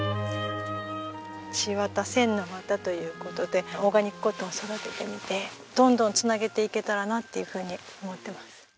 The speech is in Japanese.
千綿「千の綿」という事でオーガニックコットンを育ててみてどんどん繋げていけたらなっていうふうに思ってます。